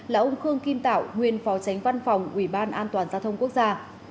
là ông khương kim tảo nguyên phó chánh văn phòng ủy ban an toàn gia thông quốc gia